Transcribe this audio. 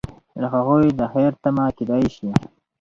له هغوی د خیر تمه کیدای شي.